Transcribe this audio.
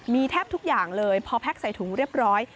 มีแทบทุกอย่างเลยพอแพ็กใส่ถุงเรียบร้อย